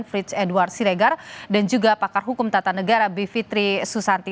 frits edward siregar dan juga pakar hukum tata negara bivitri susanti